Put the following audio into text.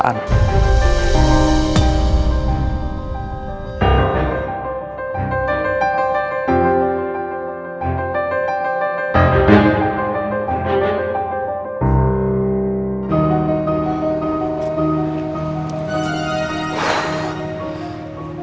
dia punya kekuasaan